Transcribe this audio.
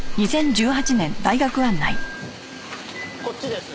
こっちです。